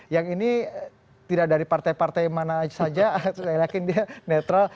yang ini tidak dari partai partai mana saja saya yakin dia netral